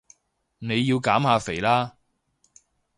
你要減下肥啦